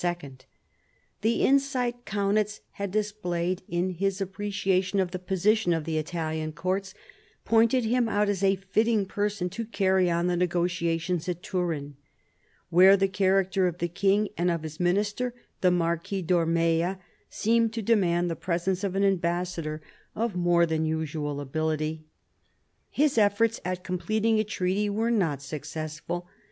The insight Kaunitz had displayed in his appreciation of the position of the Italian courts, pointed him out as a fitting person to carry on the negotiations at Turin, where the character of the king and of his minister, the Marquis d'Ormea, seemed to demand the presence of an ambassador of more than 88 MARIA THERESA chap, v usual ability. His efforts at completing a treaty were not successful.